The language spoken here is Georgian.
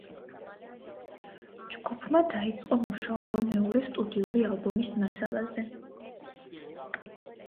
ჯგუფმა დაიწყო მუშაობა მეორე სტუდიური ალბომის მასალაზე.